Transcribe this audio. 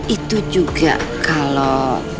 itu juga kalau